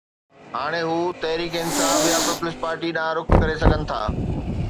هاڻي هو تحريڪ انصاف يا پيپلز پارٽي ڏانهن رخ ڪري سگهن ٿا